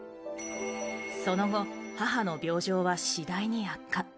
その後、母の病状は次第に悪化。